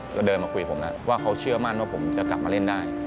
ก็เดินมาคุยผมแล้วว่าเขาเชื่อมั่นว่าผมจะกลับมาเล่นได้